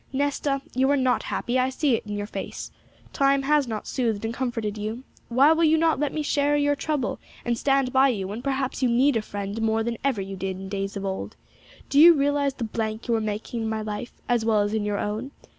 Nesta, you are not happy; I see it in your face! Time has not soothed and comforted you; why will you not let me share your trouble and stand by you when perhaps you need a friend more than ever you did in days of old? Do you realize the blank you are making in my life, as well as in your own?